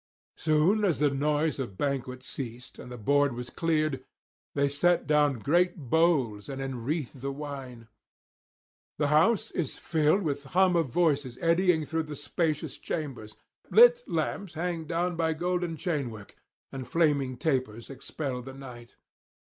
Soon as the noise of banquet ceased and the board was cleared, they set down great bowls and enwreathe the wine. The house is filled with hum of voices eddying through the spacious chambers; lit lamps hang down by golden chainwork, and flaming tapers expel the night.